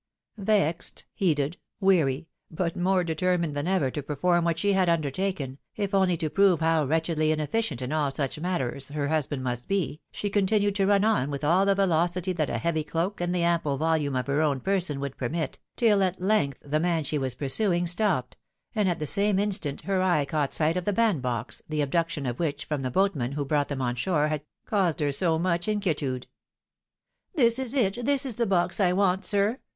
Vexed, heated, weary, but more determined than ever to perform what she had under taken, if only to prove how wretchedly inefficient in all such matters her tosband must be, she continued to run on with all the velocity that a heavy cloak, and the ample volume of her own person would permit, tiU at length the man she was pur suing stopped, and at the same instant her eye caught sight of the bandbox, the abduction of which from the boatman who brought them on shore, had caused her so much inquietude. " This is it, this is the box I want, sir